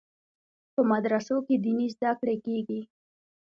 په مدرسو کې دیني زده کړې کیږي.